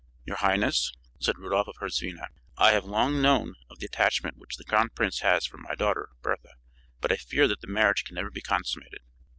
"Your highness," said Rudolph of Herzvina, "I have long known of the attachment which the crown prince has for my daughter, Bertha, but I fear that the marriage can never be consummated."